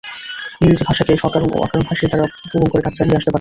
ইংরেজি ভাষাকে সকারণ ও অকারণ হাসির দ্বারা পূরণ করে কাজ চালিয়ে আসতে পারতেন।